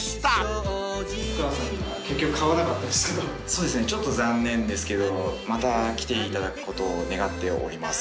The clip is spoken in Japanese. そうですねちょっと残念ですけどまた来ていただくことを願っております。